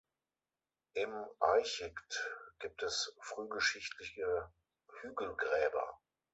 Im "Eichigt" gibt es frühgeschichtliche Hügelgräber.